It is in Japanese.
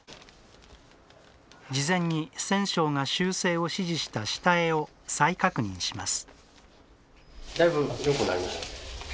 事前に、染匠が修正を指示した下絵を再確認します。